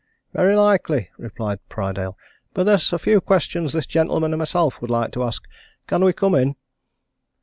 "Very likely," replied Prydale, "but there's a few questions this gentleman and myself would like to ask. Can we come in?"